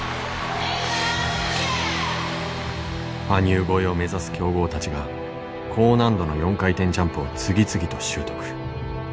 羽生超えを目指す強豪たちが高難度の４回転ジャンプを次々と習得。